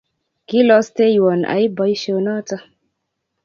Kiilosteiwon aib boisionoto.